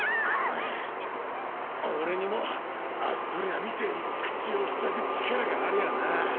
俺にもアストレアみてぇに口をふさぐ力がありゃあな。